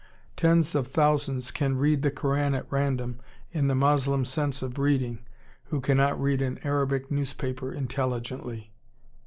Tens of thousands can 'read' the Koran at random in the Moslem sense of reading, who cannot read an Arabic newspaper intelligently."